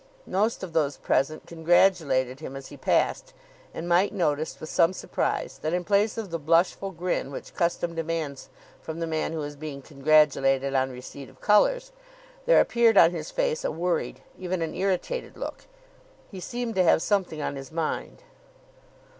Most of those present congratulated him as he passed; and Mike noticed, with some surprise, that, in place of the blushful grin which custom demands from the man who is being congratulated on receipt of colours, there appeared on his face a worried, even an irritated look. He seemed to have something on his mind.